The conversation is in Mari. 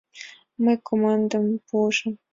Мый командым пуышым: